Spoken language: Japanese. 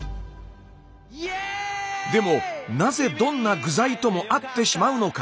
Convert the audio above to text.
でもなぜどんな具材とも合ってしまうのか。